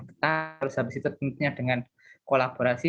terus habis itu tentunya dengan kolaborasi